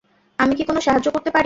আমি কি কোনো সাহায্য করতে পারি?